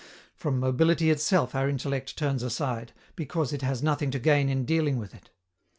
From mobility itself our intellect turns aside, because it has nothing to gain in dealing with it.